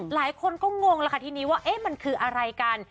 หลายคนก็งงแล้วค่ะทีนี้ว่ามันคืออะไรกัน